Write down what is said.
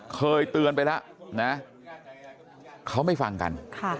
เคยเตือนไปแล้วนะเขาไม่ฟังกัน